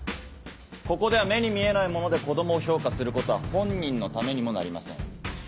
ここでは目に見えないもので子供を評価することは本人のためにもなりません。